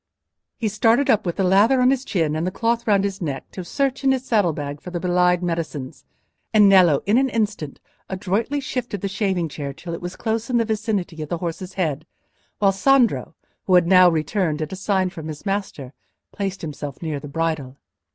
He started up with the lather on his chin, and the cloth round his neck, to search in his saddle bag for the belied medicines, and Nello in an instant adroitly shifted the shaving chair till it was in the close vicinity of the horse's head, while Sandro, who had now returned, at a sign from his master placed himself near the bridle.